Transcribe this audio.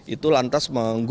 itu lantas menggugurkan